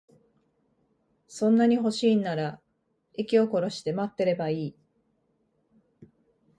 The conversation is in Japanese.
そんなに欲しいんなら、息を殺して待ってればいい。